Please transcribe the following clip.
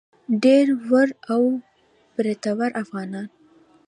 ږيره ور او برېتور افغانان.